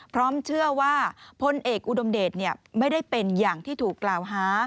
พร้อมเชื่อว่าพลเอกอุดมเดชไม่ได้เป็นอย่างที่ถูกกล่าวหา